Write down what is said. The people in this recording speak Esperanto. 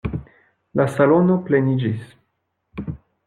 La salono pleniĝis.